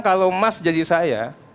kalau mas jadi saya